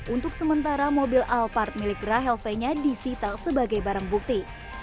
untuk sementara mobil alphard milik rahel fenya disita sebagai barang bukti